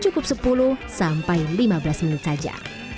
cukup sepuluh sampai lima belas menit saja